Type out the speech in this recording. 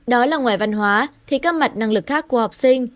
đó là ngoài văn hóa thì các mặt năng lực khác của học sinh